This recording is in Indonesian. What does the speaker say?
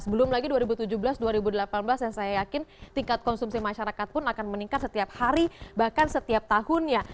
belum lagi dua ribu tujuh belas dua ribu delapan belas yang saya yakin tingkat konsumsi masyarakat pun akan meningkat setiap hari bahkan setiap tahunnya